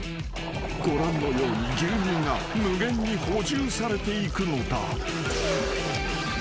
［ご覧のように牛乳が無限に補充されていくのだ］